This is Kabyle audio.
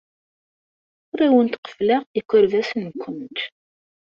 Ur awent-qeffleɣ ikerbasen-nwent.